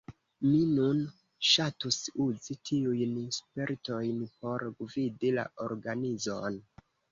Mi nun ŝatus uzi tiujn spertojn por gvidi la organizon.